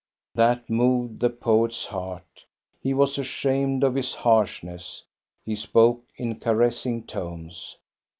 That moved the poet's heart. He was ashamed of his harshness. He spoke in caressing tones.